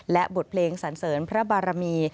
และบทเพลงสันเสริญพระบารมี